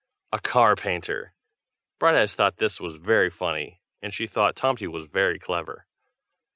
A car painter! Brighteyes thought that was very funny, and she thought Tomty was very clever.